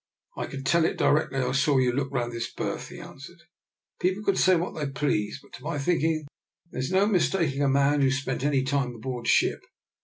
" I could tell it directly I saw you look round this berth," he answered. " People can say what they please, but to my thinking there's no mistaking a man who's spent any time aboard ship.